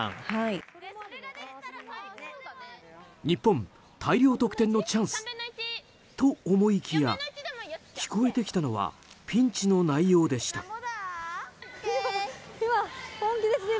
日本、大量得点のチャンスと思いきや聞こえてきたのはピンチの内容でした。